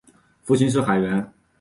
父亲是海员。